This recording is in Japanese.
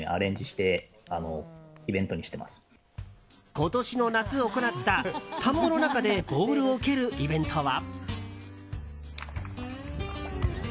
今年の夏行った、田んぼの中でボールを蹴るイベントは。